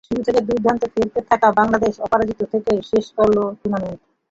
শুরু থেকেই দুর্দান্ত খেলতে থাকা বাংলাদেশ অপরাজিত থেকেই শেষ করল টুর্নামেন্ট।